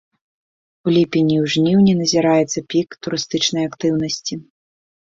У ліпені і жніўні назіраецца пік турыстычнай актыўнасці.